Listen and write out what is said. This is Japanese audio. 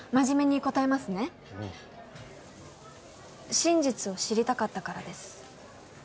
真実を知りたかったからです。